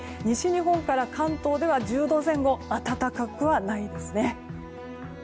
西日本から関東では１０度前後暖かくはないですね。